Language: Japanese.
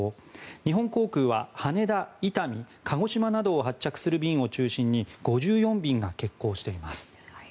日本航空は羽田、伊丹、鹿児島などを発着する便を中心に５４便が欠航しています。